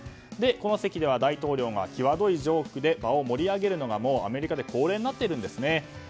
この席では、大統領が際どいジョークで場を盛り上げるのがアメリカでは恒例になっているんですね。